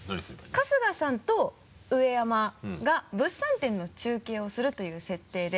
春日さんと上山が物産展の中継をするという設定で。